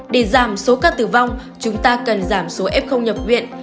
để giảm số ca tử vong chúng ta cần giảm số f nhập viện